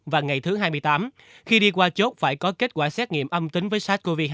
và ngày thứ hai mươi tám khi đi qua chốt phải có kết quả xét nghiệm âm tính với sars cov hai